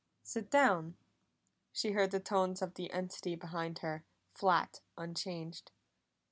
"Sit down!" She heard the tones of the entity behind her, flat, unchanged.